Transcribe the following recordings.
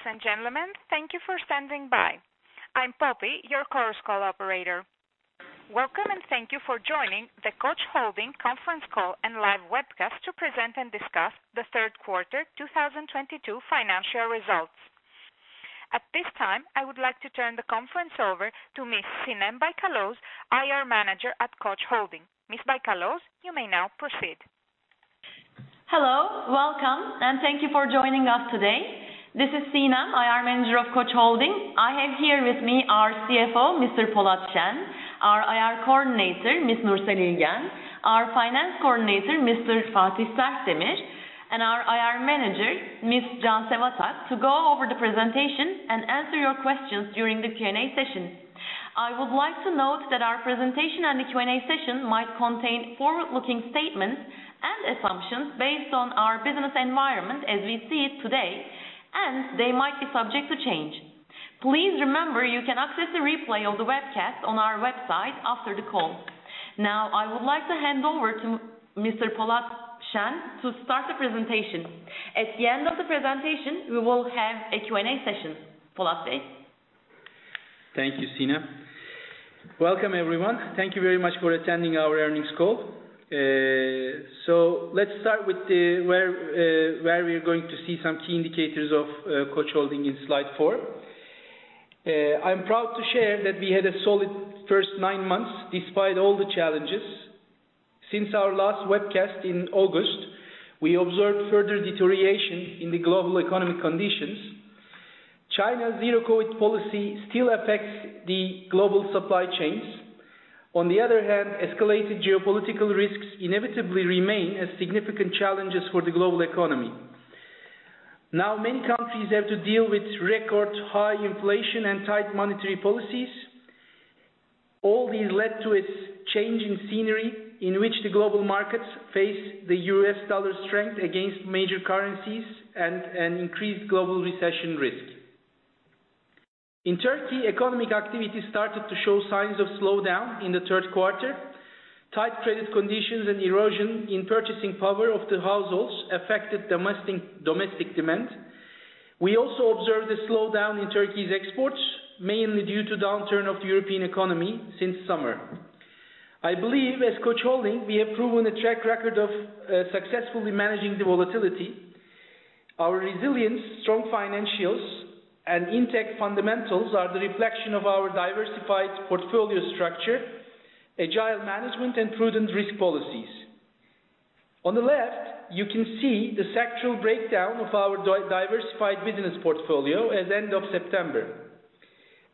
Ladies and gentlemen, thank you for standing by. I'm Poppy, your Chorus Call Operator. Welcome, and thank you for joining the Koç Holding conference call and live webcast to present and discuss the third quarter 2022 financial results. At this time, I would like to turn the conference over to Ms. Sinem Baykalöz, IR Manager at Koç Holding. Ms. Baykalöz, you may now proceed. Hello, welcome, and thank you for joining us today. This is Sinem, IR Manager of Koç Holding. I have here with me our CFO, Mr. Polat Şen, our IR Coordinator, Ms. Nursel İlgen, our Finance Coordinator, Mr. Fatih Sertemir, and our IR Manager, Ms. Cansev Atak, to go over the presentation and answer your questions during the Q&A session. I would like to note that our presentation and the Q&A session might contain forward-looking statements and assumptions based on our business environment as we see it today, and they might be subject to change. Please remember, you can access the replay of the webcast on our website after the call. Now, I would like to hand over to Mr. Polat Şen to start the presentation. At the end of the presentation, we will have a Q&A session. Polat, please. Thank you, Sinem. Welcome, everyone. Thank you very much for attending our earnings call. So let's start with where we are going to see some key indicators of Koç Holding in slide four. I'm proud to share that we had a solid first nine months despite all the challenges. Since our last webcast in August, we observed further deterioration in the global economic conditions. China's zero-COVID policy still affects the global supply chains. On the other hand, escalated geopolitical risks inevitably remain as significant challenges for the global economy. Now, many countries have to deal with record-high inflation and tight monetary policies. All these led to a changing scenery in which the global markets face the U.S. dollar's strength against major currencies and an increased global recession risk. In Turkey, economic activity started to show signs of slowdown in the third quarter. Tight credit conditions and erosion in purchasing power of the households affected domestic demand. We also observed a slowdown in Turkey's exports, mainly due to the downturn of the European economy since summer. I believe, as Koç Holding, we have proven a track record of successfully managing the volatility. Our resilience, strong financials, and intact fundamentals are the reflection of our diversified portfolio structure, agile management, and prudent risk policies. On the left, you can see the sectoral breakdown of our diversified business portfolio as end of September.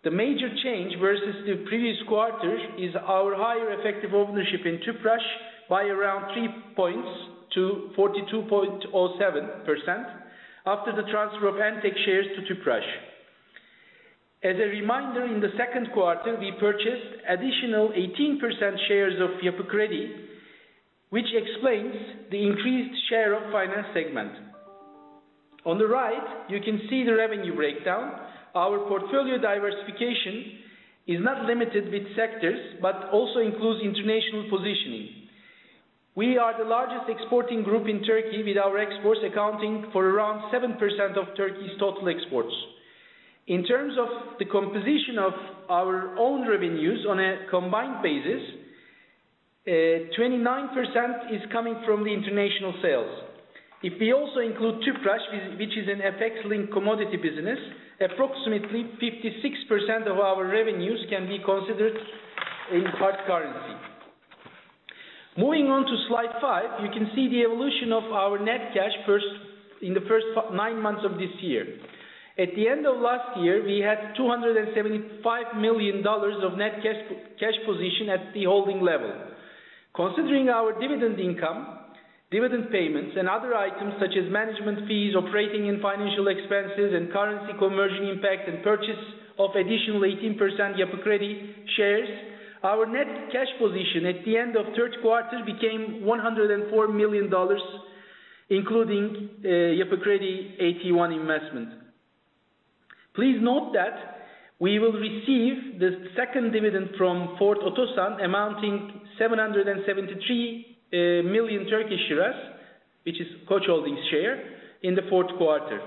The major change versus the previous quarter is our higher effective ownership in Tüpraş by around 3 points to 42.07% after the transfer of Entek shares to Tüpraş. As a reminder, in the second quarter, we purchased additional 18% shares of Yapı Kredi, which explains the increased share of the finance segment. On the right, you can see the revenue breakdown. Our portfolio diversification is not limited with sectors but also includes international positioning. We are the largest exporting group in Turkey, with our exports accounting for around 7% of Turkey's total exports. In terms of the composition of our own revenues on a combined basis, 29% is coming from the international sales. If we also include Tüpraş, which is an FX-linked commodity business, approximately 56% of our revenues can be considered in hard currency. Moving on to slide five, you can see the evolution of our net cash in the first nine months of this year. At the end of last year, we had $275 million of net cash position at the holding level. Considering our dividend income, dividend payments, and other items such as management fees, operating and financial expenses, and currency conversion impact, and purchase of additional 18% Yapı Kredi shares, our net cash position at the end of the third quarter became $104 million, including Yapı Kredi AT1 investment. Please note that we will receive the second dividend from Ford Otosan, amounting to 773 million, which is Koç Holding's share, in the fourth quarter.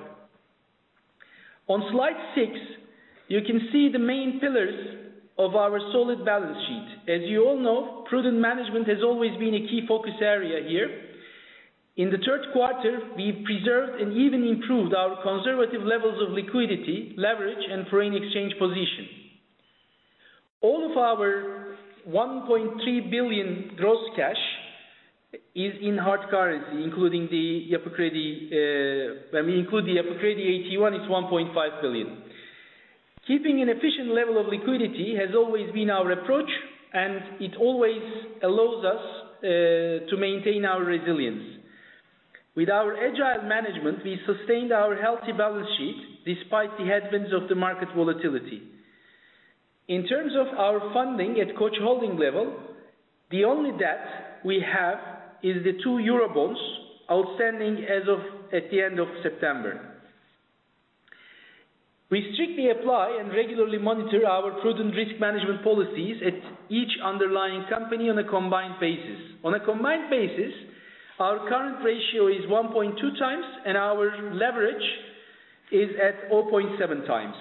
On slide six, you can see the main pillars of our solid balance sheet. As you all know, prudent management has always been a key focus area here. In the third quarter, we've preserved and even improved our conservative levels of liquidity, leverage, and foreign exchange position. All of our $1.3 billion gross cash is in hard currency, including the Yapı Kredi AT1. It's $1.5 billion. Keeping an efficient level of liquidity has always been our approach, and it always allows us to maintain our resilience. With our agile management, we sustained our healthy balance sheet despite the headwinds of the market volatility. In terms of our funding at Koç Holding level, the only debt we have is the two Eurobonds outstanding as of the end of September. We strictly apply and regularly monitor our prudent risk management policies at each underlying company on a combined basis. On a combined basis, our current ratio is 1.2x, and our leverage is at 0.7x.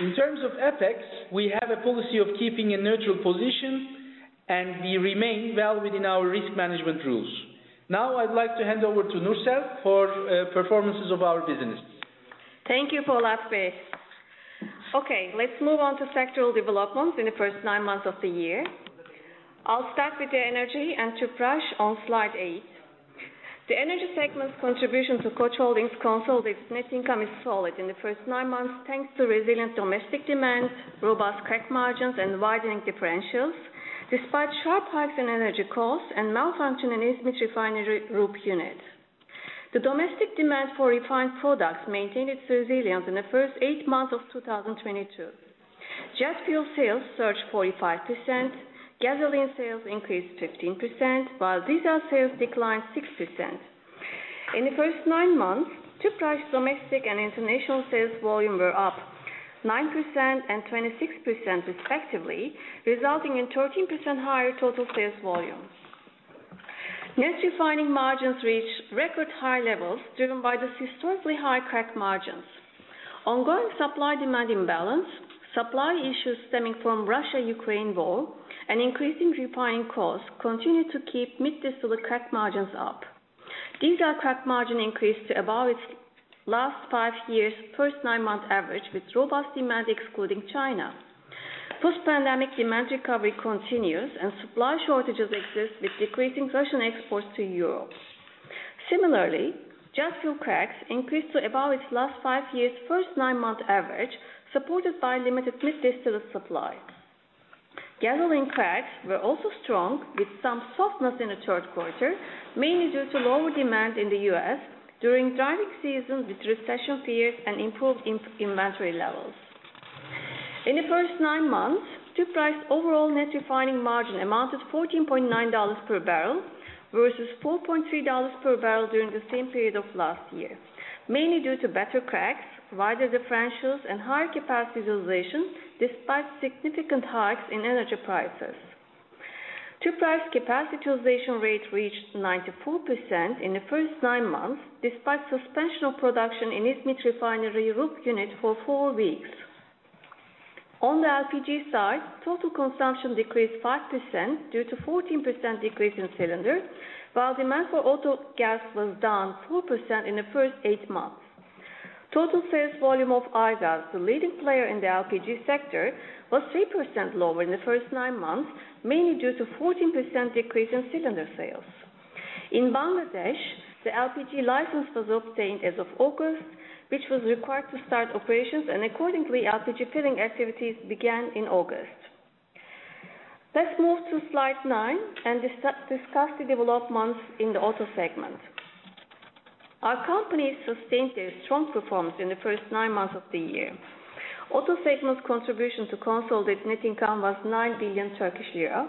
In terms of FX, we have a policy of keeping a neutral position, and we remain well within our risk management rules. Now, I'd like to hand over to Nursel for performances of our business. Thank you, Polat Bey. Okay, let's move on to sectoral developments in the first nine months of the year. I'll start with the energy and Tüpraş on slide eight. The energy segment's contribution to Koç Holding's consolidated net income is solid in the first nine months thanks to resilient domestic demand, robust crack margins, and widening differentials, despite sharp hikes in energy costs and malfunction in the İzmit refinery RUP unit. The domestic demand for refined products maintained its resilience in the first eight months of 2022. Jet fuel sales surged 45%, gasoline sales increased 15%, while diesel sales declined 6%. In the first nine months, Tüpraş's domestic and international sales volume were up 9% and 26% respectively, resulting in 13% higher total sales volume. Net refining margins reached record high levels driven by the historically high crack margins. Ongoing supply-demand imbalance, supply issues stemming from the Russia-Ukraine war, and increasing refining costs continue to keep mid-distillate crack margins up. Diesel crack margin increased to above its last five years' first nine-month average, with robust demand excluding China. Post-pandemic demand recovery continues, and supply shortages exist, with decreasing Russian exports to Europe. Similarly, jet fuel cracks increased to above its last five years' first nine-month average, supported by limited mid-distillate supply. Gasoline cracks were also strong, with some softness in the third quarter, mainly due to lower demand in the U.S. during driving seasons with recession fears and improved inventory levels. In the first nine months, Tüpraş's overall net refining margin amounted to $14.9 per barrel versus $4.3 per barrel during the same period of last year, mainly due to better cracks, wider differentials, and higher capacity utilization despite significant hikes in energy prices. Tüpraş's capacity utilization rate reached 94% in the first nine months despite suspension of production in İzmit refinery group unit for four weeks. On the LPG side, total consumption decreased 5% due to a 14% decrease in cylinders, while demand for auto gas was down 4% in the first eight months. Total sales volume of Aygaz, the leading player in the LPG sector, was 3% lower in the first nine months, mainly due to a 14% decrease in cylinder sales. In Bangladesh, the LPG license was obtained as of August, which was required to start operations, and accordingly, LPG filling activities began in August. Let's move to slide nine and discuss the developments in the auto segment. Our companies sustained their strong performance in the first nine months of the year. Auto segment's contribution to consolidated net income was 9 billion Turkish lira.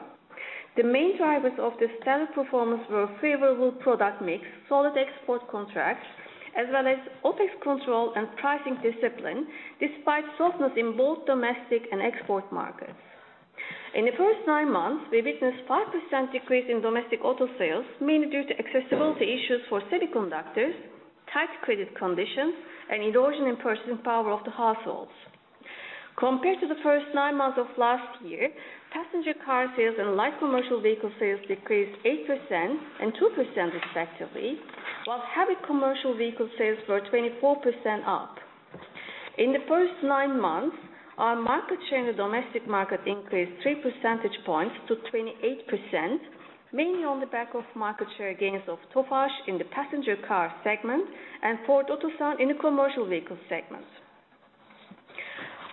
The main drivers of the stellar performance were favorable product mix, solid export contracts, as well as OpEx control and pricing discipline, despite softness in both domestic and export markets. In the first nine months, we witnessed a 5% decrease in domestic auto sales, mainly due to accessibility issues for semiconductors, tight credit conditions, and erosion in purchasing power of the households. Compared to the first nine months of last year, passenger car sales and light commercial vehicle sales decreased 8% and 2% respectively, while heavy commercial vehicle sales were 24% up. In the first nine months, our market share in the domestic market increased 3 percentage points to 28%, mainly on the back of market share gains of Tofaş in the passenger car segment and Ford Otosan in the commercial vehicle segment.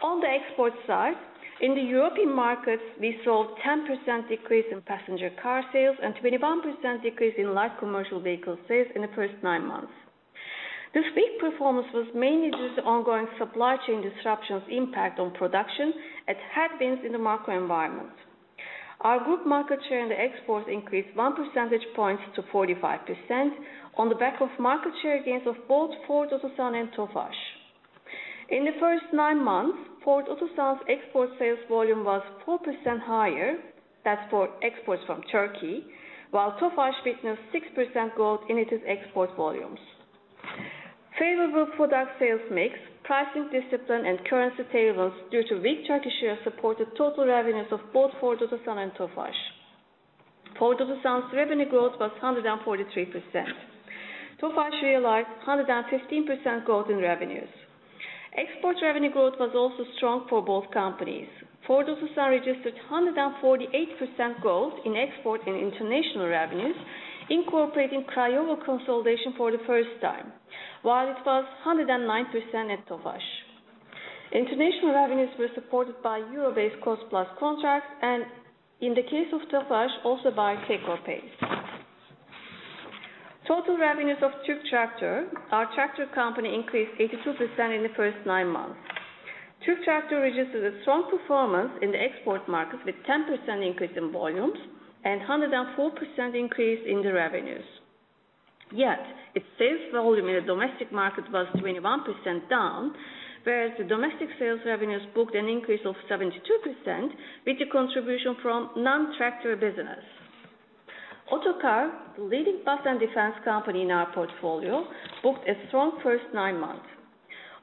On the export side, in the European markets, we saw a 10% decrease in passenger car sales and a 21% decrease in light commercial vehicle sales in the first nine months. This weak performance was mainly due to ongoing supply chain disruptions' impact on production and headwinds in the macro environment. Our group market share in the exports increased one percentage point to 45% on the back of market share gains of both Ford Otosan and Tofaş. In the first nine months, Ford Otosan's export sales volume was 4% higher than for exports from Turkey, while Tofaş witnessed 6% growth in its export volumes. Favorable product sales mix, pricing discipline, and currency turbulence due to weak Turkish lira supported total revenues of both Ford Otosan and Tofaş. Ford Otosan's revenue growth was 143%. Tofaş realized 115% growth in revenues. Export revenue growth was also strong for both companies. Ford Otosan registered 148% growth in export and international revenues, incorporating Craiova consolidation for the first time, while it was 109% at Tofaş. International revenues were supported by euro-based cost-plus contracts and, in the case of Tofaş, also by take-or-pay. Total revenues of TürkTraktör, our tractor company, increased 82% in the first nine months. TürkTraktör registered a strong performance in the export market with a 10% increase in volumes and a 104% increase in the revenues. Yet, its sales volume in the domestic market was 21% down, whereas the domestic sales revenues booked an increase of 72% with the contribution from non-tractor business. Otokar, the leading bus and defense company in our portfolio, booked a strong first nine months.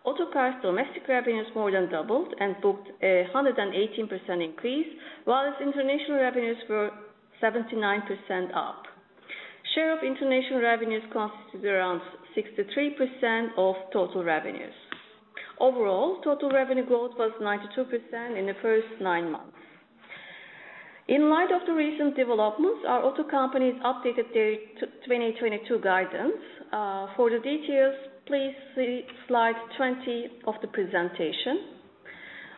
Otokar's domestic revenues more than doubled and booked a 118% increase, while its international revenues were 79% up. Share of international revenues constituted around 63% of total revenues. Overall, total revenue growth was 92% in the first nine months. In light of the recent developments, our auto companies updated their 2022 guidance. For the details, please see slide 20 of the presentation.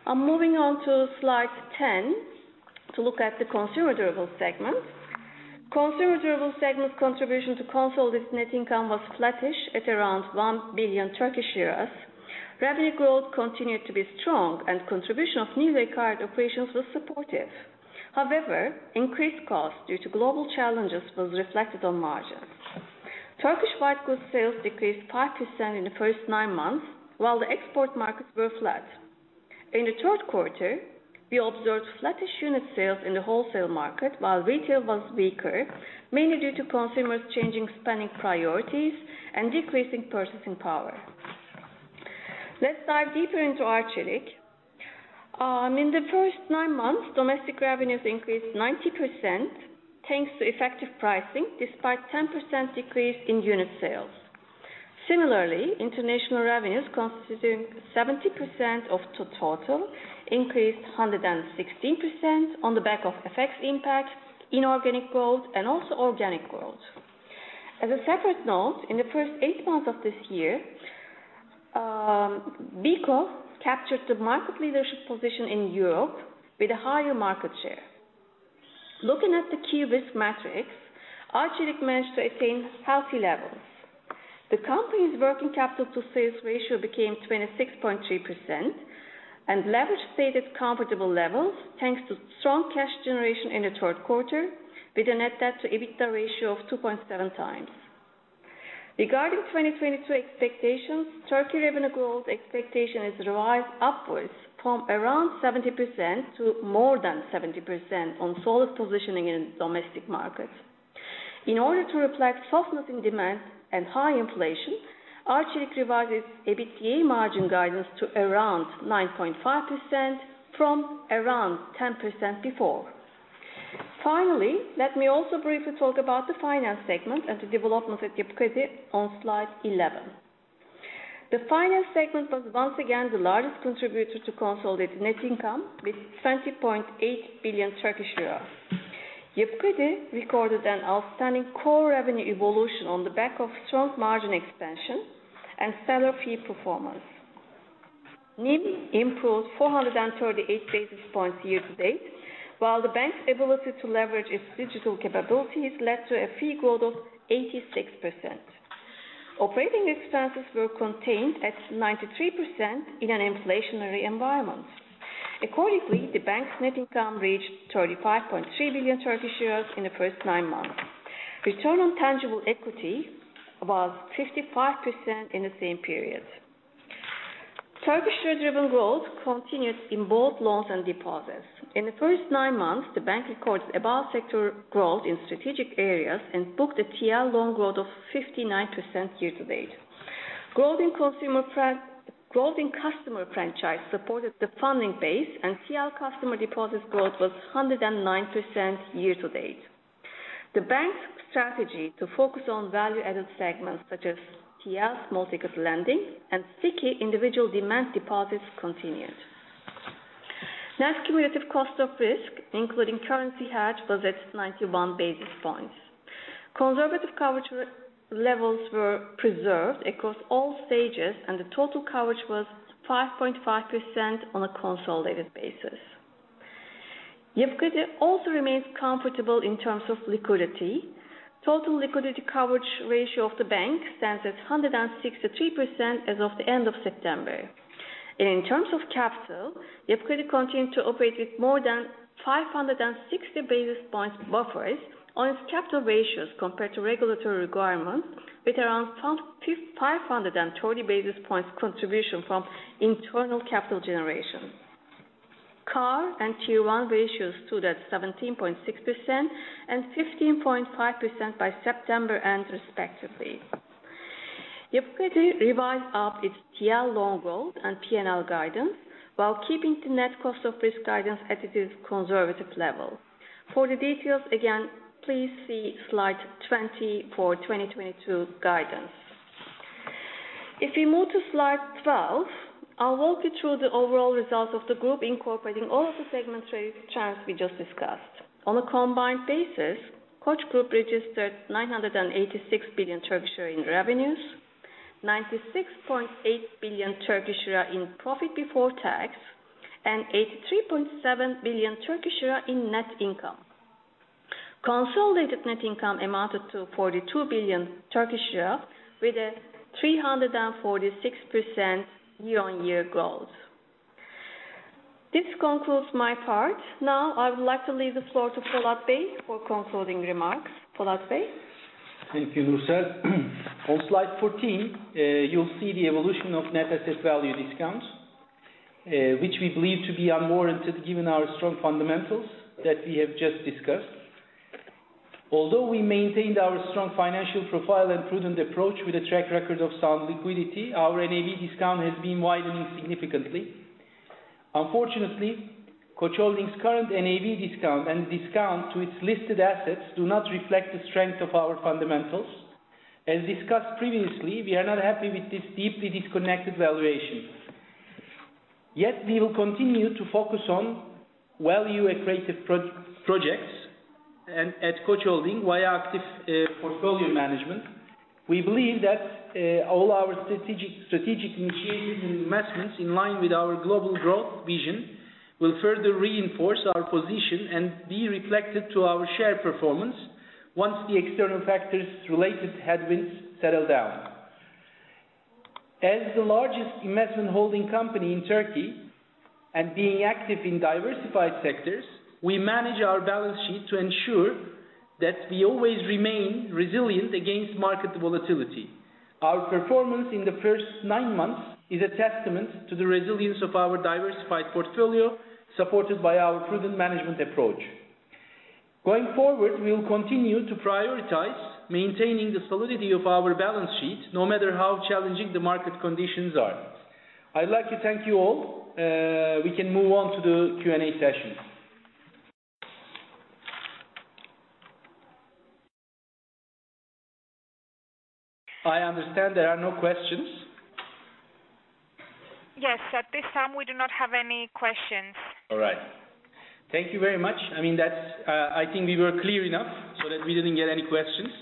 I'm moving on to slide 10 to look at the consumer durable segment. Consumer durable segment contribution to consolidated net income was flattish at around 1 billion Turkish lira. Revenue growth continued to be strong, and contribution of newly acquired operations was supportive. However, increased costs due to global challenges were reflected on margins. Turkish white goods sales decreased 5% in the first nine months, while the export markets were flat. In the third quarter, we observed flattish unit sales in the wholesale market, while retail was weaker, mainly due to consumers changing spending priorities and decreasing purchasing power. Let's dive deeper into Arçelik. In the first nine months, domestic revenues increased 90% thanks to effective pricing, despite a 10% decrease in unit sales. Similarly, international revenues, constituting 70% of the total, increased 116% on the back of FX impact, inorganic growth, and also organic growth. As a separate note, in the first eight months of this year, Beko captured the market leadership position in Europe with a higher market share. Looking at the key risk metrics, Arçelik managed to attain healthy levels. The company's working capital to sales ratio became 26.3%, and leverage stayed at comfortable levels thanks to strong cash generation in the third quarter, with a net debt-to-EBITDA ratio of 2.7x. Regarding 2022 expectations, Turkey revenue growth expectation has risen upwards from around 70% to more than 70% on solid positioning in the domestic market. In order to reflect softness in demand and high inflation, Arçelik revised its EBITDA margin guidance to around 9.5% from around 10% before. Finally, let me also briefly talk about the finance segment and the developments at Yapı Kredi on slide 11. The finance segment was once again the largest contributor to consolidated net income with 20.8 billion Turkish lira. Yapı Kredi recorded an outstanding core revenue evolution on the back of strong margin expansion and stellar fee performance. NIM improved 438 basis points year-to-date, while the bank's ability to leverage its digital capabilities led to a fee growth of 86%. Operating expenses were contained at 93% in an inflationary environment. Accordingly, the bank's net income reached TRY 35.3 billion in the first nine months. Return on tangible equity was 55% in the same period. Turkish lira-driven growth continued in both loans and deposits. In the first nine months, the bank recorded above-sector growth in strategic areas and booked a TL loan growth of 59% year-to-date. Growth in customer franchise supported the funding base, and TL customer deposits growth was 109% year-to-date. The bank's strategy to focus on value-added segments such as TL small ticket lending and [FIKI] individual demand deposits continued. Net cumulative cost of risk, including currency hedge, was at 91 basis points. Conservative coverage levels were preserved across all stages, and the total coverage was 5.5% on a consolidated basis. Yapı Kredi also remains comfortable in terms of liquidity. Total liquidity coverage ratio of the bank stands at 163% as of the end of September. In terms of capital, Yapı Kredi continued to operate with more than 560 basis points buffers on its capital ratios compared to regulatory requirements, with around 530 basis points contribution from internal capital generation. CAR and Tier 1 ratios stood at 17.6% and 15.5% by September end, respectively. Yapı Kredi revised up its TL loan growth and P&L guidance while keeping the net cost of risk guidance at its conservative level. For the details, again, please see slide 20 for 2022 guidance. If we move to slide 12, I'll walk you through the overall results of the group, incorporating all of the segment trends we just discussed. On a combined basis, Koç Group registered 986 billion in revenues, 96.8 billion in profit before tax, and 83.7 billion in net income. Consolidated net income amounted to 42 billion, with a 346% year-on-year growth. This concludes my part. Now, I would like to leave the floor to Polat Bey for concluding remarks. Polat Bey? Thank you, Nursel. On slide 14, you'll see the evolution of Net Asset Value discounts, which we believe to be unwarranted given our strong fundamentals that we have just discussed. Although we maintained our strong financial profile and prudent approach with a track record of sound liquidity, our NAV discount has been widening significantly. Unfortunately, Koç Holding's current NAV discount and discount to its listed assets do not reflect the strength of our fundamentals. As discussed previously, we are not happy with this deeply disconnected valuation. Yet, we will continue to focus on value-accretive projects at Koç Holding via active portfolio management. We believe that all our strategic initiatives and investments, in line with our global growth vision, will further reinforce our position and be reflected to our share performance once the external factors related to headwinds settle down. As the largest investment holding company in Turkey and being active in diversified sectors, we manage our balance sheet to ensure that we always remain resilient against market volatility. Our performance in the first nine months is a testament to the resilience of our diversified portfolio, supported by our prudent management approach. Going forward, we will continue to prioritize maintaining the solidity of our balance sheet, no matter how challenging the market conditions are. I'd like to thank you all. We can move on to the Q&A session. I understand there are no questions. Yes, at this time, we do not have any questions. All right. Thank you very much. I mean, I think we were clear enough so that we didn't get any questions.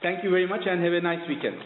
Thank you very much and have a nice weekend.